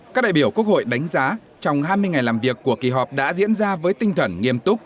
các đại biểu quốc hội đánh giá trong hai mươi ngày làm việc của kỳ họp đã diễn ra với tinh thần nghiêm túc